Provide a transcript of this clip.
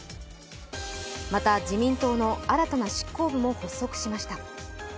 また自民党の新たな執行部も発足しました。